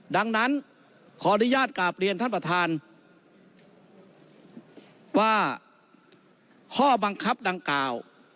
ดังนั้นขออนุญาตกราบเรียนท่านประธานว่าข้อบังคับดังกล่าว